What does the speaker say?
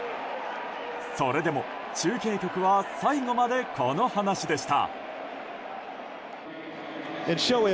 それでも、中継局は最後まで、この話でした。